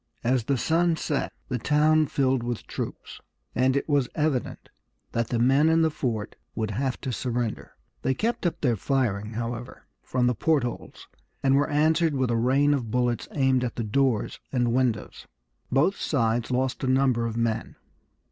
As the sun set the town filled with troops, and it was evident that the men in the fort would have to surrender. They kept up their firing, however, from the port holes, and were answered with a rain of bullets aimed at the doors and windows. Both sides lost a number of men.